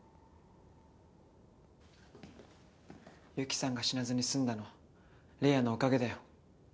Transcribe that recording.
ユキさんが死なずに済んだのは玲矢のおかげだよ。